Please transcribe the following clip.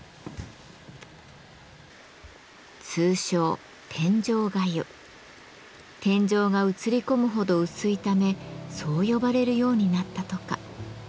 通称天井が映り込むほど薄いためそう呼ばれるようになったとか。